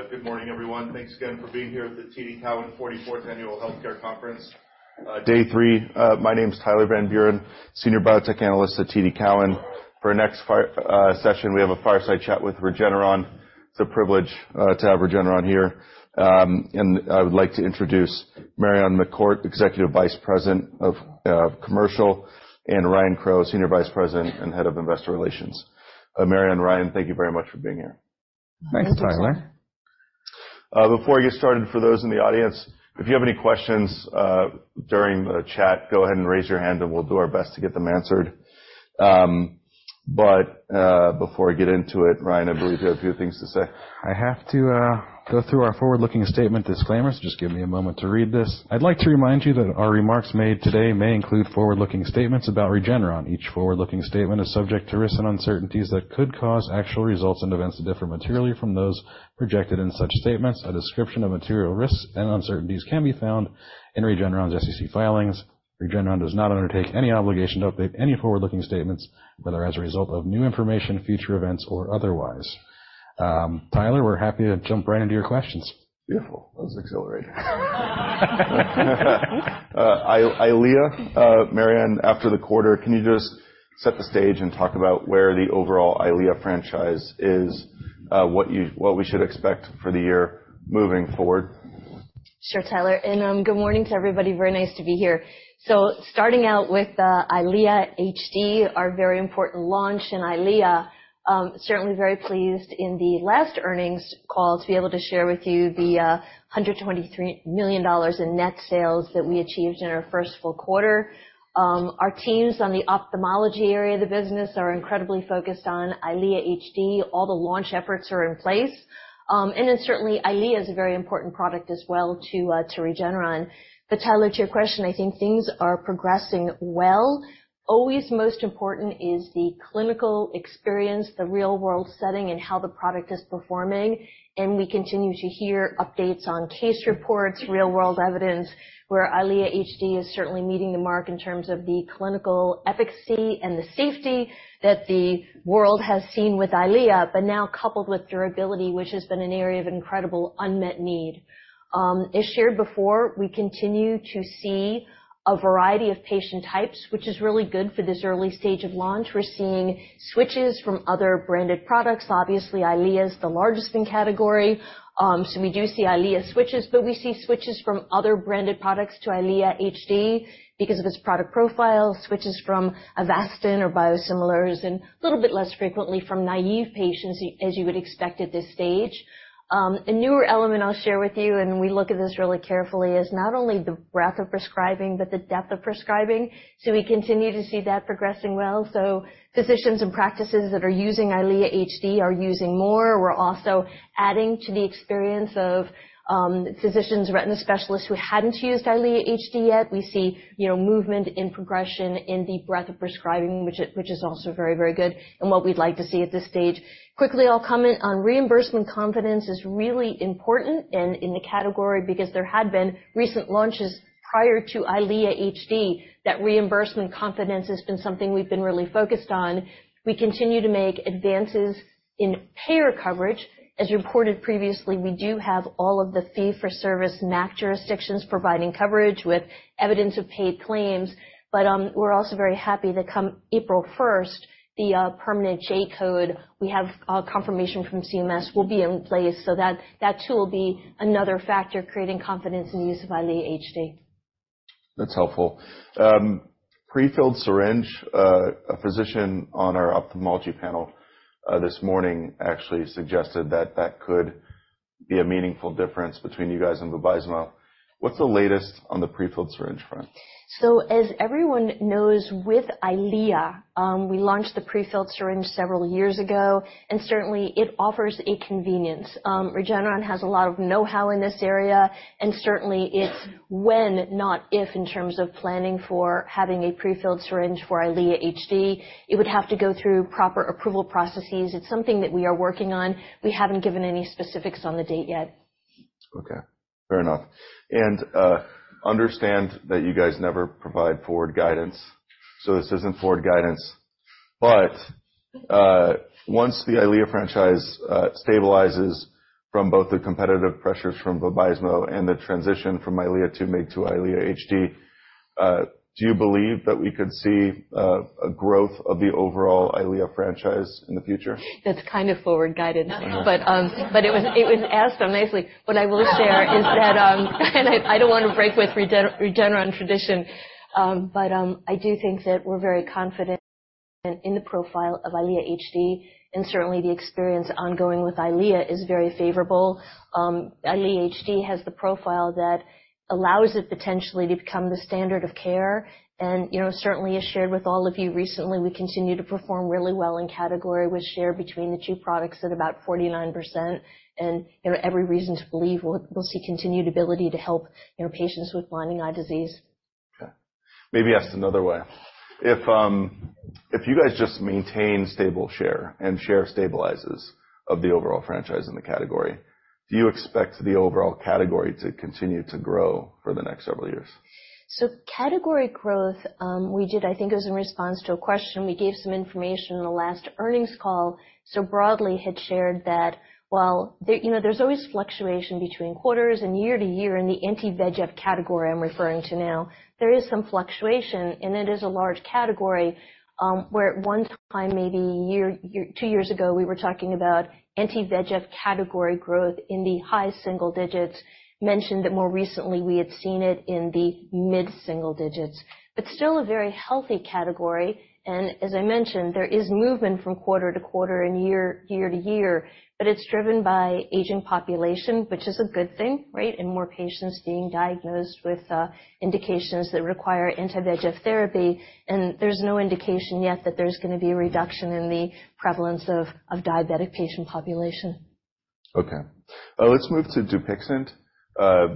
All right, good morning, everyone. Thanks again for being here at the TD Cowen 44th Annual Healthcare Conference, Day 3. My name's Tyler Van Buren, Senior Biotech Analyst at TD Cowen. For our next fireside session, we have a fireside chat with Regeneron. It's a privilege to have Regeneron here. I would like to introduce Marion McCourt, Executive Vice President, Commercial, and Ryan Crowe, Senior Vice President and Head of Investor Relations. Marion and Ryan, thank you very much for being here. Thanks, Tyler. Before I get started, for those in the audience, if you have any questions, during the chat, go ahead and raise your hand and we'll do our best to get them answered. But, before I get into it, Ryan, I believe you have a few things to say. I have to go through our forward-looking statement disclaimers. Just give me a moment to read this. I'd like to remind you that our remarks made today may include forward-looking statements about Regeneron. Each forward-looking statement is subject to risks and uncertainties that could cause actual results and events to differ materially from those projected in such statements. A description of material risks and uncertainties can be found in Regeneron's SEC filings. Regeneron does not undertake any obligation to update any forward-looking statements, whether as a result of new information, future events, or otherwise. Tyler, we're happy to jump right into your questions. Beautiful. That was exhilarating. EYLEA, Marion, after the quarter, can you just set the stage and talk about where the overall EYLEA franchise is, what we should expect for the year moving forward? Sure, Tyler. Good morning to everybody. Very nice to be here. Starting out with EYLEA HD, our very important launch in EYLEA, certainly very pleased in the last earnings call to be able to share with you the $123 million in net sales that we achieved in our first full quarter. Our teams on the ophthalmology area of the business are incredibly focused on EYLEA HD. All the launch efforts are in place. Then certainly, EYLEA is a very important product as well to, to Regeneron. But Tyler, to your question, I think things are progressing well. Always most important is the clinical experience, the real-world setting, and how the product is performing. And we continue to hear updates on case reports, real-world evidence, where EYLEA HD is certainly meeting the mark in terms of the clinical efficacy and the safety that the world has seen with EYLEA, but now coupled with durability, which has been an area of incredible unmet need. As shared before, we continue to see a variety of patient types, which is really good for this early stage of launch. We're seeing switches from other branded products. Obviously, EYLEA is the largest in category. So we do see EYLEA switches, but we see switches from other branded products to EYLEA HD because of its product profile, switches from Avastin or biosimilars, and a little bit less frequently from naive patients as you would expect at this stage. A newer element I'll share with you, and we look at this really carefully, is not only the breadth of prescribing but the depth of prescribing. So we continue to see that progressing well. So physicians and practices that are using EYLEA HD are using more. We're also adding to the experience of physicians, retina specialists who hadn't used EYLEA HD yet. We see, you know, movement in progression in the breadth of prescribing, which is also very, very good and what we'd like to see at this stage. Quickly, I'll comment on reimbursement confidence. It's really important in the category because there had been recent launches prior to EYLEA HD that reimbursement confidence has been something we've been really focused on. We continue to make advances in payer coverage. As reported previously, we do have all of the fee-for-service MAC jurisdictions providing coverage with evidence of paid claims. But we're also very happy that come April 1st, the permanent J-code we have confirmation from CMS will be in place. So that too will be another factor creating confidence in the use of EYLEA HD. That's helpful. Prefilled syringe, a physician on our ophthalmology panel, this morning actually suggested that that could be a meaningful difference between you guys and Vabysmo. What's the latest on the prefilled syringe front? So as everyone knows, with EYLEA, we launched the prefilled syringe several years ago, and certainly, it offers a convenience. Regeneron has a lot of know-how in this area, and certainly, it's when, not if, in terms of planning for having a prefilled syringe for EYLEA HD. It would have to go through proper approval processes. It's something that we are working on. We haven't given any specifics on the date yet. Okay. Fair enough. Understand that you guys never provide forward guidance. So this isn't forward guidance. But once the EYLEA franchise stabilizes from both the competitive pressures from Vabysmo and the transition from EYLEA 2 mg to EYLEA HD, do you believe that we could see a growth of the overall EYLEA franchise in the future? That's kind of forward-guided. Uh-huh. But it was asked so nicely. What I will share is that, and I don't wanna break with Regeneron tradition, but I do think that we're very confident in the profile of EYLEA HD. And certainly, the experience ongoing with EYLEA is very favorable. EYLEA HD has the profile that allows it potentially to become the standard of care. And, you know, certainly, as shared with all of you recently, we continue to perform really well in category. We share between the two products at about 49%. And, you know, every reason to believe we'll see continued ability to help, you know, patients with blinding eye disease. Okay. Maybe asked another way. If you guys just maintain stable share and share stabilizes of the overall franchise in the category, do you expect the overall category to continue to grow for the next several years? So category growth, we did, I think it was in response to a question. We gave some information in the last earnings call. So Bob Landry had shared that while there, you know, there's always fluctuation between quarters and year-to-year in the Anti-VEGF category I'm referring to now, there is some fluctuation. And it is a large category, where at one time, maybe a year, two years ago, we were talking about Anti-VEGF category growth in the high single digits, mentioned that more recently, we had seen it in the mid-single digits. But still a very healthy category. And as I mentioned, there is movement from quarter to quarter and year-to-year. But it's driven by aging population, which is a good thing, right, and more patients being diagnosed with indications that require Anti-VEGF therapy. There's no indication yet that there's gonna be a reduction in the prevalence of diabetic patient population. Okay. Let's move to DUPIXENT.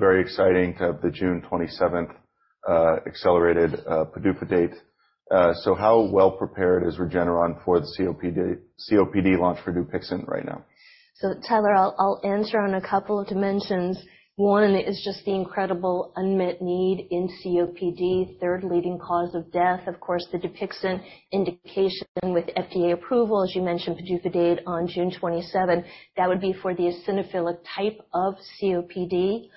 Very exciting to have the June 27th, accelerated, PDUFA date. So how well prepared is Regeneron for the COPD launch for DUPIXENT right now? So Tyler, I'll answer on a couple of dimensions. One is just the incredible unmet need in COPD, third leading cause of death. Of course, the DUPIXENT indication with FDA approval, as you mentioned, PDUFA date on June 27th, that would be for the eosinophilic type of COPD.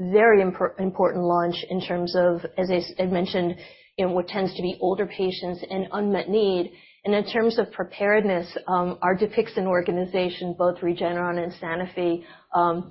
Very important launch in terms of, as I mentioned, you know, what tends to be older patients and unmet need. And in terms of preparedness, our DUPIXENT organization, both Regeneron and Sanofi, you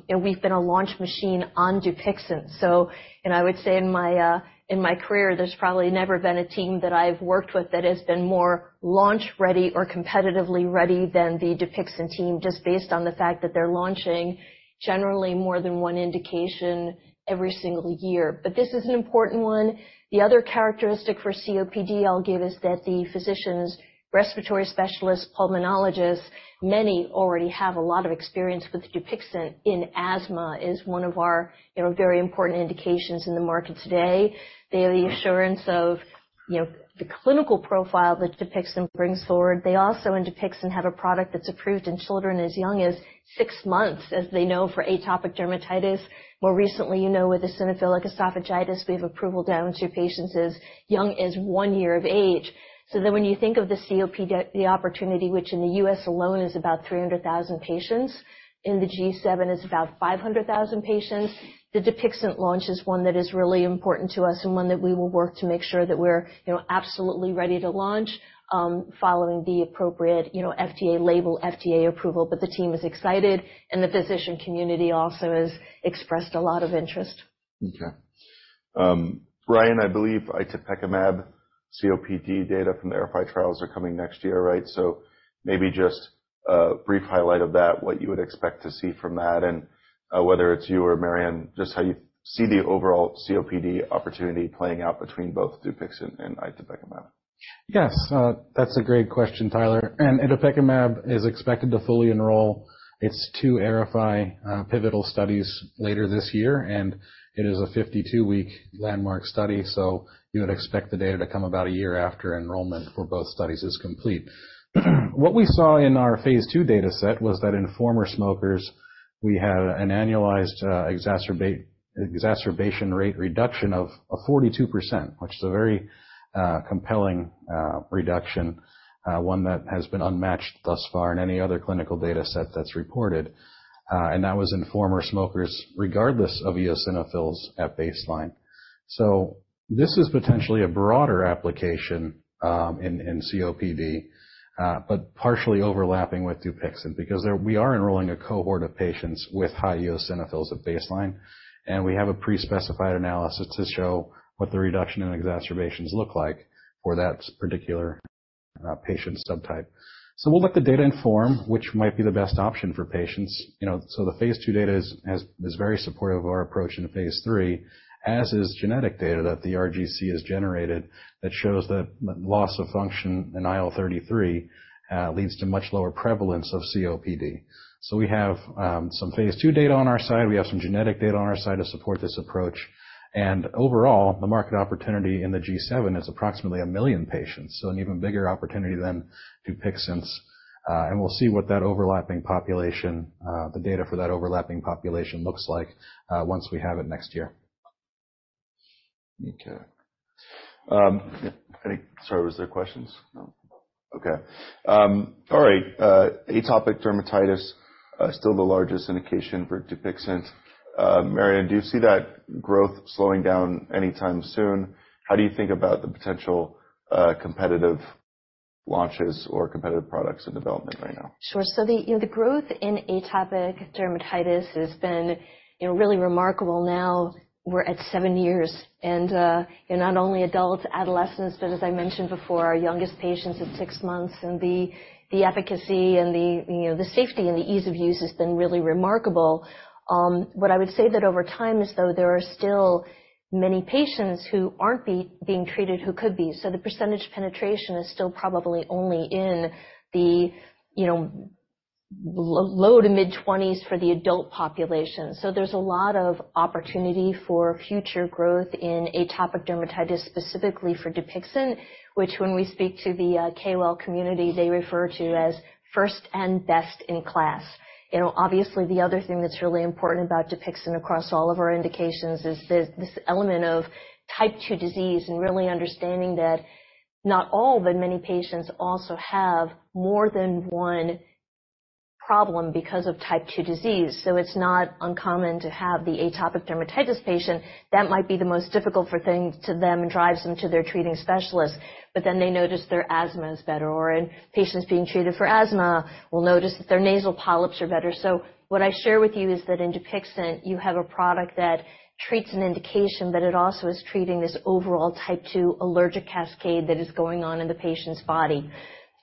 know, we've been a launch machine on DUPIXENT. So and I would say in my career, there's probably never been a team that I've worked with that has been more launch-ready or competitively ready than the DUPIXENT team, just based on the fact that they're launching generally more than one indication every single year. But this is an important one. The other characteristic for COPD I'll give is that the physicians, respiratory specialists, pulmonologists, many already have a lot of experience with DUPIXENT in asthma is one of our, you know, very important indications in the market today. They have the assurance of, you know, the clinical profile that DUPIXENT brings forward. They also in DUPIXENT have a product that's approved in children as young as six months, as they know, for atopic dermatitis. More recently, you know, with eosinophilic esophagitis, we have approval down to patients as young as one year of age. So then when you think of the COPD, the opportunity, which in the U.S. alone is about 300,000 patients, in the G7, it's about 500,000 patients. The DUPIXENT launch is one that is really important to us and one that we will work to make sure that we're, you know, absolutely ready to launch, following the appropriate, you know, FDA label, FDA approval. But the team is excited, and the physician community also has expressed a lot of interest. Okay. Ryan, I believe Itepekimab COPD data from the AERIFY trials are coming next year, right? So maybe just, brief highlight of that, what you would expect to see from that, and, whether it's you or Marion, just how you see the overall COPD opportunity playing out between both DUPIXENT and Itepekimab. Yes. That's a great question, Tyler. Itepekimab is expected to fully enroll its two AERIFY pivotal studies later this year. It is a 52-week landmark study. So you would expect the data to come about a year after enrollment for both studies is complete. What we saw in our phase 2 data set was that in former smokers, we had an annualized exacerbation rate reduction of 42%, which is a very compelling reduction, one that has been unmatched thus far in any other clinical data set that's reported. That was in former smokers regardless of eosinophils at baseline. So this is potentially a broader application in COPD, but partially overlapping with DUPIXENT because there we are enrolling a cohort of patients with high eosinophils at baseline. And we have a pre-specified analysis to show what the reduction and exacerbations look like for that particular patient subtype. So we'll let the data inform which might be the best option for patients. You know, so the Phase II data is very supportive of our approach in Phase III, as is genetic data that the RGC has generated that shows that loss of function in IL-33 leads to much lower prevalence of COPD. So we have some Phase II data on our side. We have some genetic data on our side to support this approach. And overall, the market opportunity in the G7 is approximately 1 million patients, so an even bigger opportunity than DUPIXENT's. And we'll see what that overlapping population, the data for that overlapping population looks like, once we have it next year. Okay. Was there questions? No? Okay. All right. Atopic dermatitis, still the largest indication for DUPIXENT. Marion, do you see that growth slowing down anytime soon? How do you think about the potential competitive launches or competitive products in development right now? Sure. So the, you know, the growth in atopic dermatitis has been, you know, really remarkable. Now we're at seven years. And, you know, not only adults, adolescents, but as I mentioned before, our youngest patients at six months. And the, the efficacy and the, you know, the safety and the ease of use has been really remarkable. What I would say that over time is, though, there are still many patients who aren't being treated who could be. So the percentage penetration is still probably only in the, you know, low to mid-20s for the adult population. So there's a lot of opportunity for future growth in atopic dermatitis specifically for DUPIXENT, which when we speak to the KOL community, they refer to as first and best in class. You know, obviously, the other thing that's really important about DUPIXENT across all of our indications is this, this element of Type 2 disease and really understanding that not all, but many patients also have more than one problem because of Type 2 disease. So it's not uncommon to have the atopic dermatitis patient. That might be the most difficult thing for them and drives them to their treating specialist. But then they notice their asthma is better, or in patients being treated for asthma, will notice that their nasal polyps are better. So what I share with you is that in DUPIXENT, you have a product that treats an indication, but it also is treating this overall Type 2 allergic cascade that is going on in the patient's body.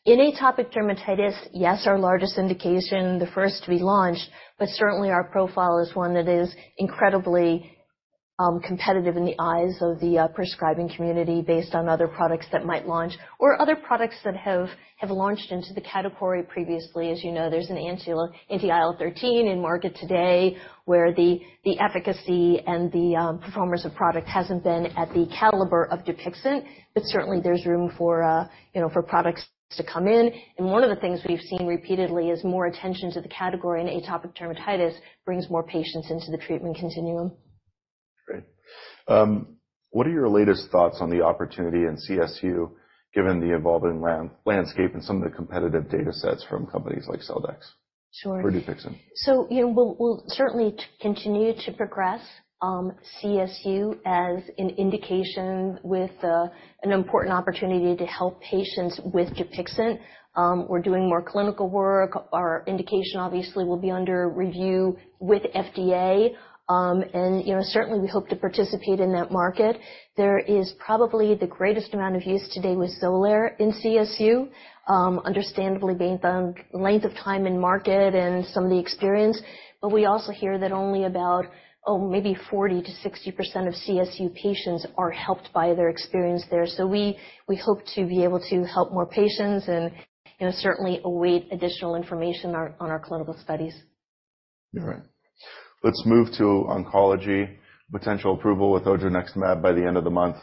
In atopic dermatitis, yes, our largest indication, the first to be launched, but certainly, our profile is one that is incredibly competitive in the eyes of the prescribing community based on other products that might launch or other products that have launched into the category previously. As you know, there's an anti-IL-13 in market today where the efficacy and the performance of product hasn't been at the caliber of DUPIXENT. But certainly, there's room for, you know, for products to come in. And one of the things we've seen repeatedly is more attention to the category in atopic dermatitis brings more patients into the treatment continuum. Great. What are your latest thoughts on the opportunity in CSU given the evolving landscape and some of the competitive data sets from companies like Celldex? Sure. For DUPIXENT? So, you know, we'll certainly continue to progress CSU as an indication with an important opportunity to help patients with DUPIXENT. We're doing more clinical work. Our indication, obviously, will be under review with FDA. And, you know, certainly, we hope to participate in that market. There is probably the greatest amount of use today with Xolair in CSU, understandably based on length of time in market and some of the experience. But we also hear that only about, oh, maybe 40%-60% of CSU patients are helped by their experience there. So we hope to be able to help more patients and, you know, certainly await additional information on our clinical studies. All right. Let's move to oncology, potential approval with Odronextamab by the end of the month,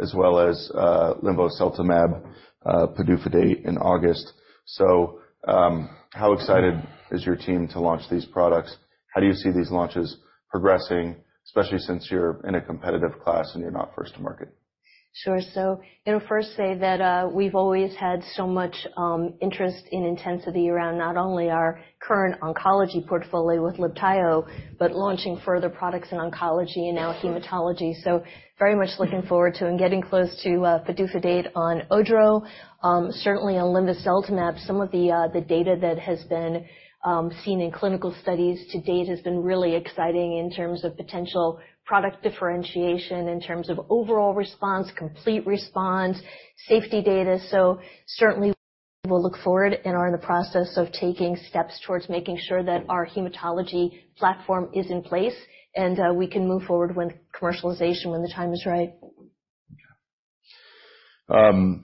as well as Linvoseltamab, PDUFA date in August. So, how excited is your team to launch these products? How do you see these launches progressing, especially since you're in a competitive class and you're not first to market? Sure. So, you know, first say that, we've always had so much interest in intensity around not only our current oncology portfolio with Libtayo, but launching further products in oncology and now hematology. So very much looking forward to and getting close to PDUFA date on Odro. Certainly, on Linvoseltamab, some of the data that has been seen in clinical studies to date has been really exciting in terms of potential product differentiation, in terms of overall response, complete response, safety data. So certainly, we'll look forward and are in the process of taking steps towards making sure that our hematology platform is in place. And we can move forward with commercialization when the time is right. Okay.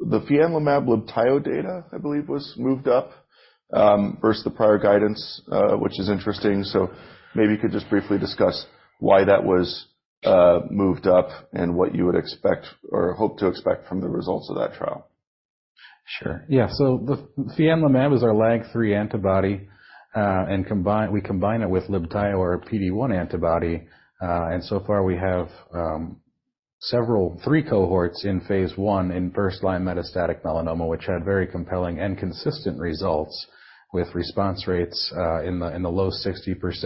The Fianlimab Libtayo data, I believe, was moved up, versus the prior guidance, which is interesting. So maybe you could just briefly discuss why that was, moved up and what you would expect or hope to expect from the results of that trial. Sure. Yeah. So the Fianlimab is our LAG-3 antibody, and combined we combine it with Libtayo or a PD-1 antibody. And so far, we have three cohorts in Phase I in first-line metastatic melanoma, which had very compelling and consistent results with response rates in the low 60%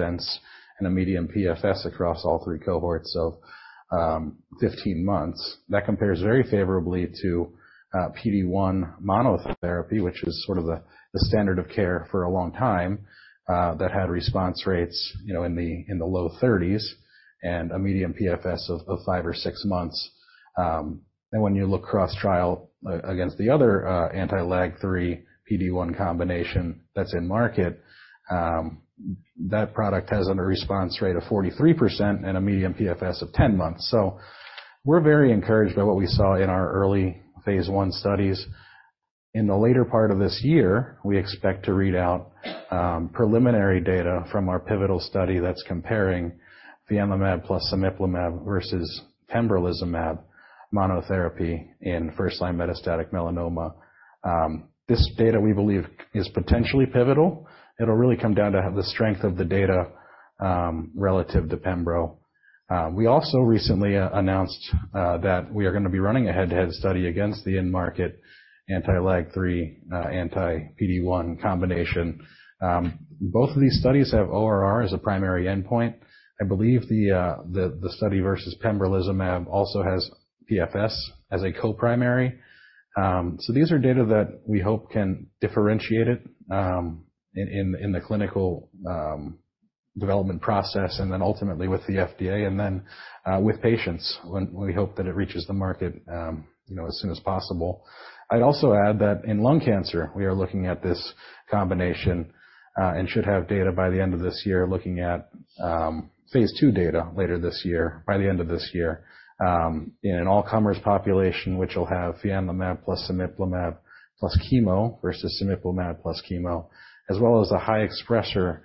and a median PFS across all three cohorts of 15 months. That compares very favorably to PD-1 monotherapy, which is sort of the standard of care for a long time, that had response rates, you know, in the low 30s and a median PFS of 5 or 6 months. And when you look cross-trial against the other anti-LAG-3 PD-1 combination that's in market, that product has a response rate of 43% and a median PFS of 10 months. So we're very encouraged by what we saw in our early phase 1 studies. In the later part of this year, we expect to read out preliminary data from our pivotal study that's comparing Fianlimab plus cemiplimab versus pembrolizumab monotherapy in first-line metastatic melanoma. This data, we believe, is potentially pivotal. It'll really come down to have the strength of the data, relative to Pembro. We also recently announced that we are going to be running a head-to-head study against the in-market anti-LAG-3, anti-PD-1 combination. Both of these studies have ORR as a primary endpoint. I believe the study versus pembrolizumab also has PFS as a coprimary. So these are data that we hope can differentiate it in the clinical development process and then ultimately with the FDA and then with patients when we hope that it reaches the market, you know, as soon as possible. I'd also add that in lung cancer, we are looking at this combination, and should have data by the end of this year looking at Phase II data later this year by the end of this year, in an all-comers population, which will have Fianlimab plus cemiplimab plus chemo versus cemiplimab plus chemo, as well as the high expressor,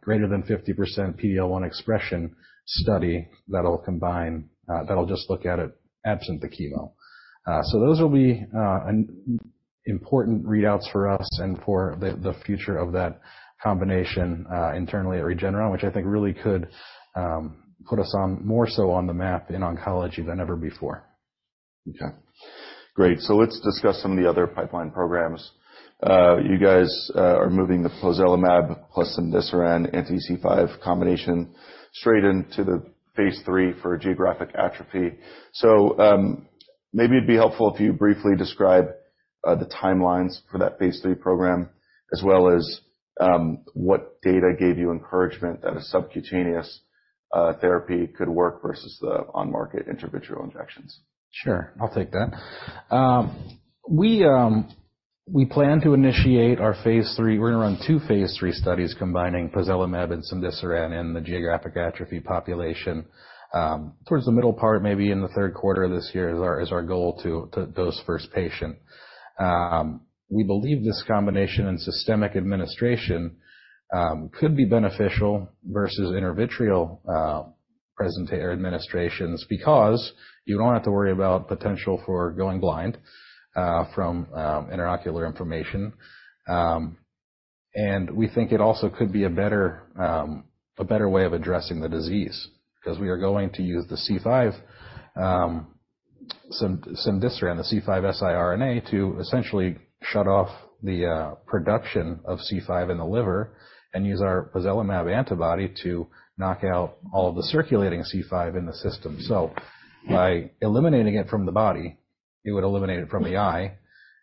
greater than 50% PD-L1 expression study that'll combine, that'll just look at it absent the chemo. So those will be an important readouts for us and for the future of that combination, internally at Regeneron, which I think really could put us on more so on the map in oncology than ever before. Okay. Great. So let's discuss some of the other pipeline programs. You guys are moving the Pozelimab plus Cemdisiran anti-C5 combination straight into the Phase III for geographic atrophy. So, maybe it'd be helpful if you briefly describe the timelines for that Phase III program as well as what data gave you encouragement that a subcutaneous therapy could work versus the on-market intravitreal injections. Sure. I'll take that. We plan to initiate our phase three. We're going to run two phase three studies combining Pozelimab and Cemdisiran in the geographic atrophy population. Toward the middle part, maybe in the third quarter of this year is our goal to dose first patient. We believe this combination and systemic administration could be beneficial versus intravitreal parenteral administrations because you don't have to worry about potential for going blind from intraocular inflammation. And we think it also could be a better way of addressing the disease because we are going to use the C5 Cemdisiran, the C5 siRNA to essentially shut off the production of C5 in the liver and use our Pozelimab antibody to knock out all of the circulating C5 in the system. So by eliminating it from the body, it would eliminate it from the eye.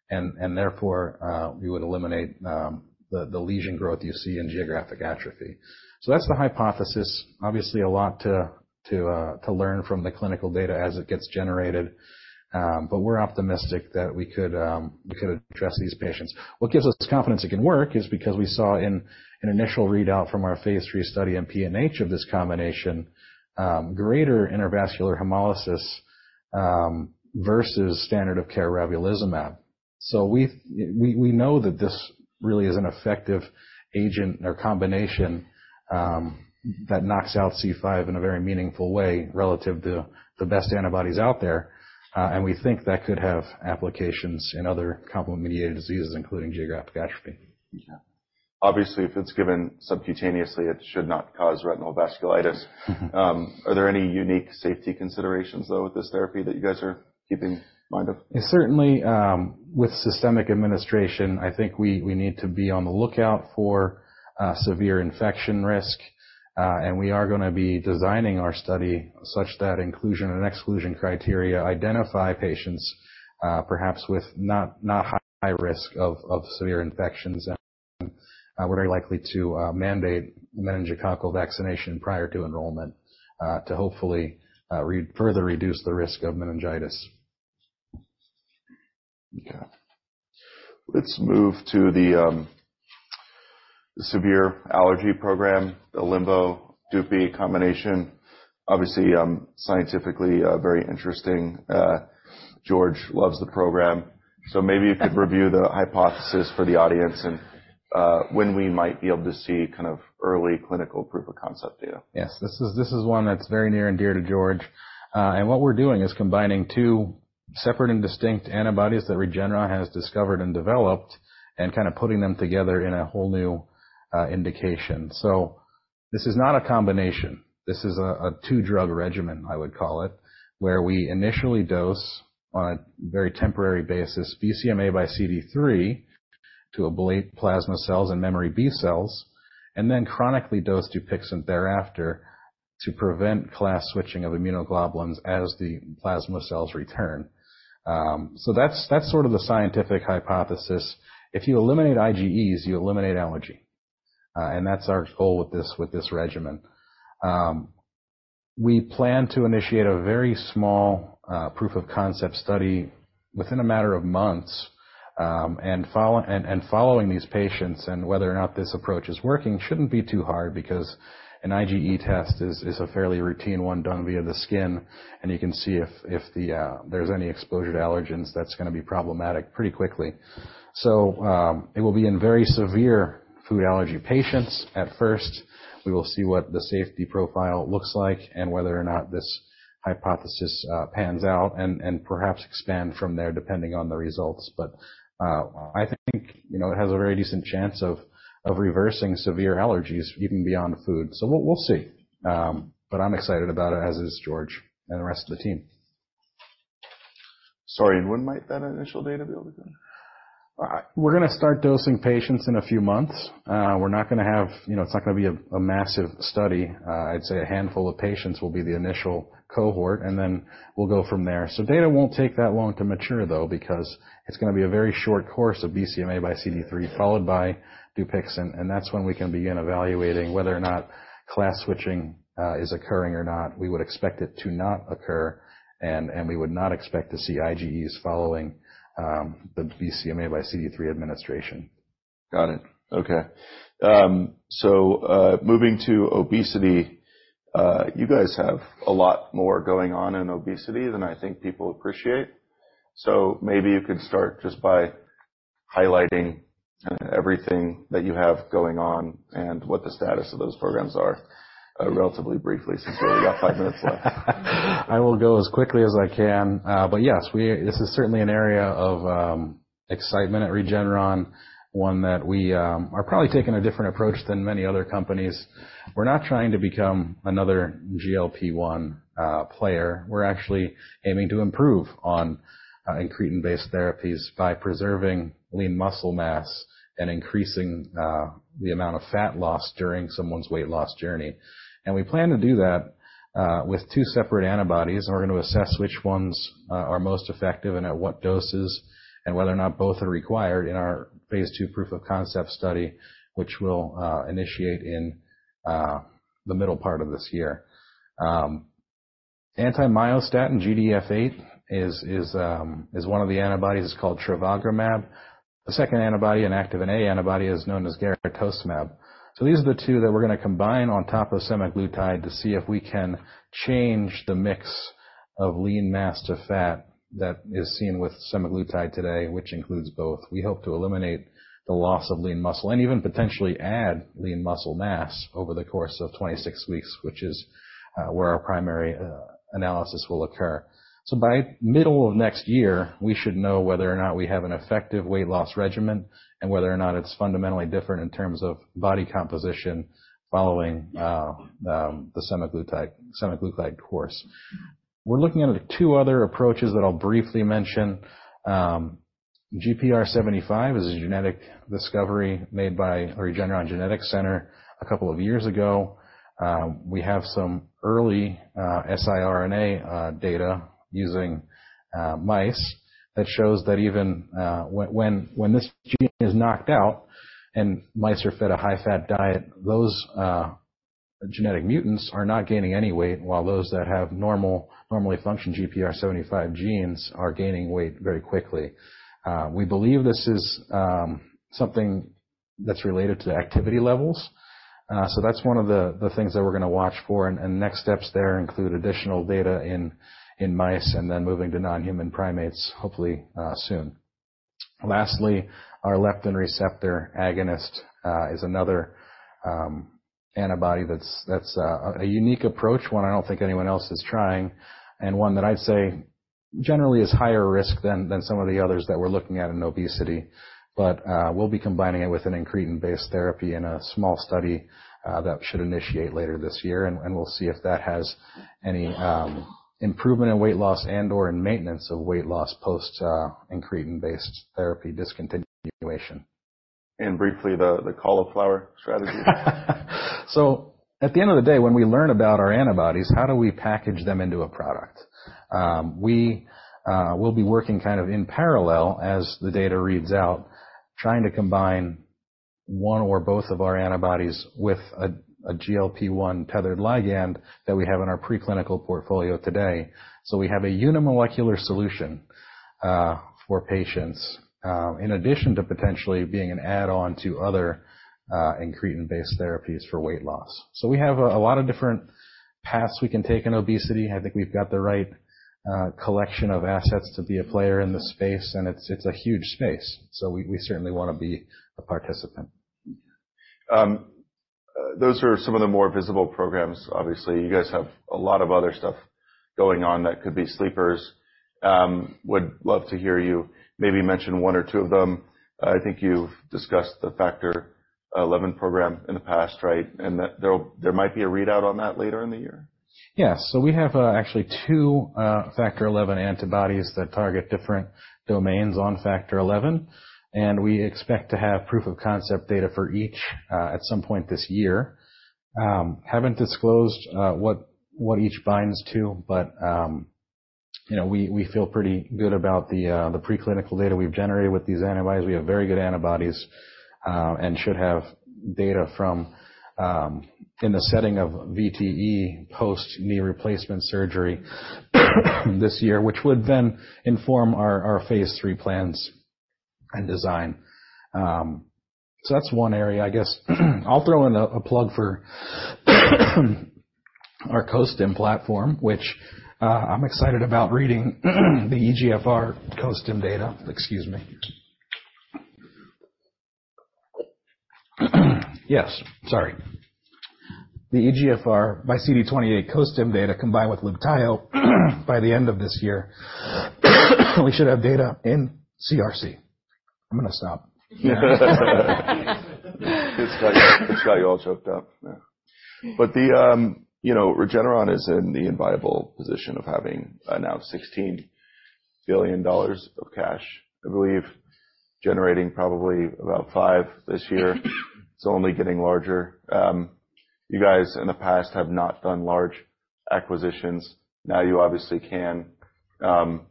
Therefore, you would eliminate the lesion growth you see in geographic atrophy. So that's the hypothesis. Obviously, a lot to learn from the clinical data as it gets generated. But we're optimistic that we could address these patients. What gives us confidence it can work is because we saw in initial readout from our Phase III study in PNH of this combination, greater intravascular hemolysis versus standard of care ravulizumab. So we know that this really is an effective agent or combination that knocks out C5 in a very meaningful way relative to the best antibodies out there. And we think that could have applications in other complement-mediated diseases, including geographic atrophy. Okay. Obviously, if it's given subcutaneously, it should not cause retinal vasculitis. Are there any unique safety considerations, though, with this therapy that you guys are keeping in mind of? Yeah. Certainly, with systemic administration, I think we need to be on the lookout for severe infection risk. And we are going to be designing our study such that inclusion and exclusion criteria identify patients, perhaps with not high risk of severe infections. And, we're very likely to mandate meningococcal vaccination prior to enrollment, to hopefully further reduce the risk of meningitis. Okay. Let's move to the severe allergy program, the Linvoseltamab-DUPIXENT combination. Obviously, scientifically, very interesting. George loves the program. So maybe you could review the hypothesis for the audience and when we might be able to see kind of early clinical proof of concept data. Yes. This is one that's very near and dear to George. What we're doing is combining two separate and distinct antibodies that Regeneron has discovered and developed and kind of putting them together in a whole new indication. So this is not a combination. This is a, a two-drug regimen, I would call it, where we initially dose on a very temporary basis BCMAxCD3 to ablate plasma cells and memory B cells and then chronically dose DUPIXENT thereafter to prevent class switching of immunoglobulins as the plasma cells return. So that's, that's sort of the scientific hypothesis. If you eliminate IgEs, you eliminate allergy. That's our goal with this with this regimen. We plan to initiate a very small, proof of concept study within a matter of months. Following these patients and whether or not this approach is working shouldn't be too hard because an IgE test is a fairly routine one done via the skin. And you can see if there's any exposure to allergens that's going to be problematic pretty quickly. So, it will be in very severe food allergy patients at first. We will see what the safety profile looks like and whether or not this hypothesis pans out and perhaps expand from there depending on the results. But, I think, you know, it has a very decent chance of reversing severe allergies even beyond food. So we'll see. But I'm excited about it as is George and the rest of the team. Sorry. When might that initial data be able to come? We're going to start dosing patients in a few months. We're not going to have, you know, it's not going to be a massive study. I'd say a handful of patients will be the initial cohort, and then we'll go from there. So data won't take that long to mature, though, because it's going to be a very short course of BCMAxCD3 followed by DUPIXENT. And that's when we can begin evaluating whether or not class switching is occurring or not. We would expect it to not occur. And we would not expect to see IgEs following the BCMAxCD3 administration. Got it. Okay. So, moving to obesity, you guys have a lot more going on in obesity than I think people appreciate. So maybe you could start just by highlighting kind of everything that you have going on and what the status of those programs are, relatively briefly since we only got five minutes left. I will go as quickly as I can, but yes, this is certainly an area of excitement at Regeneron, one that we are probably taking a different approach than many other companies. We're not trying to become another GLP-1 player. We're actually aiming to improve on incretin-based therapies by preserving lean muscle mass and increasing the amount of fat loss during someone's weight loss journey. And we plan to do that with two separate antibodies. And we're going to assess which ones are most effective and at what doses and whether or not both are required in our Phase II proof of concept study, which we'll initiate in the middle part of this year. Anti-myostatin GDF8 is one of the antibodies. It's called trevogrumab. The second antibody, an activin A antibody, is known as garetosmab. So these are the two that we're going to combine on top of semaglutide to see if we can change the mix of lean mass to fat that is seen with semaglutide today, which includes both. We hope to eliminate the loss of lean muscle and even potentially add lean muscle mass over the course of 26 weeks, which is where our primary analysis will occur. So by middle of next year, we should know whether or not we have an effective weight loss regimen and whether or not it's fundamentally different in terms of body composition following the semaglutide semaglutide course. We're looking at two other approaches that I'll briefly mention. GPR75 is a genetic discovery made by the Regeneron Genetics Center a couple of years ago. We have some early siRNA data using mice that shows that even when this gene is knocked out and mice are fed a high-fat diet, those genetic mutants are not gaining any weight while those that have normal normally functioning GPR75 genes are gaining weight very quickly. We believe this is something that's related to the activity levels. So that's one of the things that we're going to watch for. And next steps there include additional data in mice and then moving to non-human primates, hopefully soon. Lastly, our leptin receptor agonist is another antibody that's a unique approach, one I don't think anyone else is trying, and one that I'd say generally is higher risk than some of the others that we're looking at in obesity. We'll be combining it with an incretin-based therapy in a small study that should initiate later this year. We'll see if that has any improvement in weight loss and/or in maintenance of weight loss post incretin-based therapy discontinuation. And briefly, the co-formulation strategy. So at the end of the day, when we learn about our antibodies, how do we package them into a product? We will be working kind of in parallel as the data reads out, trying to combine one or both of our antibodies with a GLP-1 tethered ligand that we have in our preclinical portfolio today. So we have a unimolecular solution for patients, in addition to potentially being an add-on to other incretin-based therapies for weight loss. So we have a lot of different paths we can take in obesity. I think we've got the right collection of assets to be a player in this space. And it's a huge space. So we certainly want to be a participant. Okay. Those are some of the more visible programs. Obviously, you guys have a lot of other stuff going on that could be sleepers. Would love to hear you maybe mention one or two of them. I think you've discussed the Factor XI program in the past, right? And that there might be a readout on that later in the year. Yes. So we have, actually 2, Factor XI antibodies that target different domains on Factor XI. And we expect to have proof of concept data for each, at some point this year. We haven't disclosed what each binds to, but, you know, we feel pretty good about the preclinical data we've generated with these antibodies. We have very good antibodies, and should have data from, in the setting of VTE post-knee replacement surgery this year, which would then inform our Phase III plans and design. So that's one area. I guess I'll throw in a plug for our Costim platform, which, I'm excited about reading the EGFR Costim data. Excuse me. Yes. Sorry. The EGFR by CD28 Costim data combined with Libtayo by the end of this year, we should have data in CRC. I'm going to stop. It's got you all choked up. Yeah. But the, you know, Regeneron is in the enviable position of having now $16 billion of cash, I believe, generating probably about $5 billion this year. It's only getting larger. You guys in the past have not done large acquisitions. Now you obviously can. What are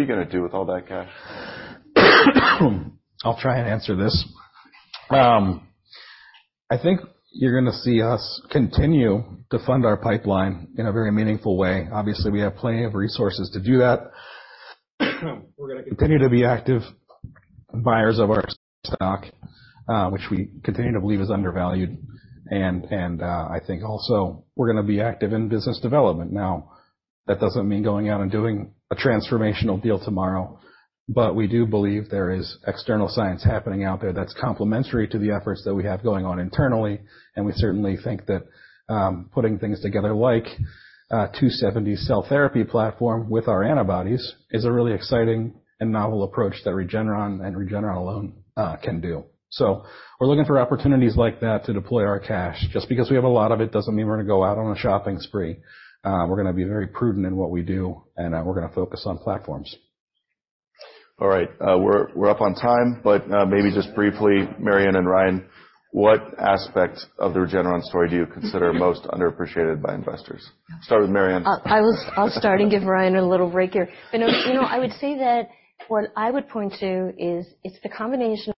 you going to do with all that cash? I'll try and answer this. I think you're going to see us continue to fund our pipeline in a very meaningful way. Obviously, we have plenty of resources to do that. We're going to continue to be active buyers of our stock, which we continue to believe is undervalued. And I think also we're going to be active in business development. Now, that doesn't mean going out and doing a transformational deal tomorrow. But we do believe there is external science happening out there that's complementary to the efforts that we have going on internally. And we certainly think that putting things together like 2seventy bio cell therapy platform with our antibodies is a really exciting and novel approach that Regeneron and Regeneron alone can do. So we're looking for opportunities like that to deploy our cash. Just because we have a lot of it doesn't mean we're going to go out on a shopping spree. We're going to be very prudent in what we do. We're going to focus on platforms. All right. We're, we're up on time. But maybe just briefly, Marion and Ryan, what aspect of the Regeneron story do you consider most underappreciated by investors? Start with Marion. I'll start and give Ryan a little break here. You know, I would say that what I would point to is it's the combination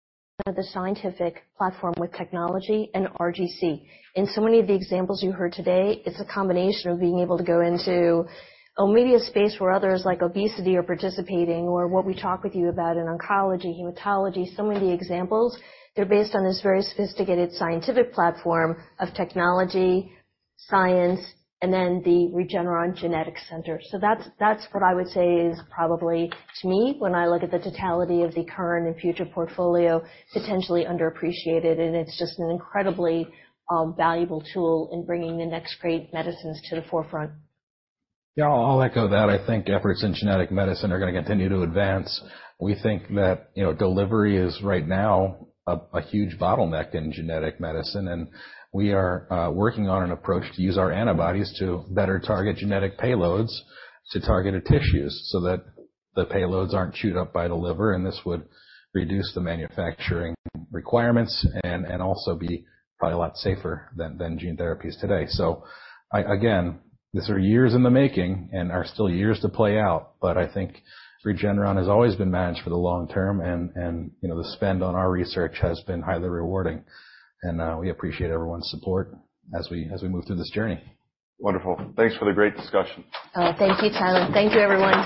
of the scientific platform with technology and RGC. In so many of the examples you heard today, it's a combination of being able to go into, oh, maybe a space where others like obesity are participating or what we talk with you about in oncology, hematology, some of the examples, they're based on this very sophisticated scientific platform of technology, science, and then the Regeneron Genetics Center. So that's what I would say is probably, to me, when I look at the totality of the current and future portfolio, potentially underappreciated. And it's just an incredibly valuable tool in bringing the next great medicines to the forefront. Yeah. I'll echo that. I think efforts in genetic medicine are going to continue to advance. We think that, you know, delivery is right now a huge bottleneck in genetic medicine. And we are working on an approach to use our antibodies to better target genetic payloads to targeted tissues so that the payloads aren't chewed up by the liver. And this would reduce the manufacturing requirements and also be probably a lot safer than gene therapies today. So I, again, these are years in the making and are still years to play out. But I think Regeneron has always been managed for the long term. And, you know, the spend on our research has been highly rewarding. And we appreciate everyone's support as we move through this journey. Wonderful. Thanks for the great discussion. Oh, thank you, Tyler. Thank you, everyone.